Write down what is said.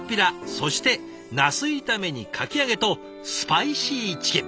そしてなす炒めにかき揚げとスパイシーチキン。